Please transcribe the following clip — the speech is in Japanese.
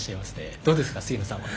どうですか菅野さんは。